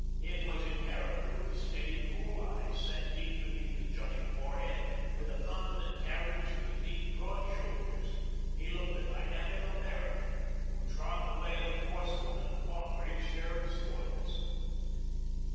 It was in character with the steady, cool eyes set deep beneath the jutting forehead, with the confident carriage of the deep, broad shoulders. He looked a dynamic American, who trod the way of the forceful and fought for his share of the spoils.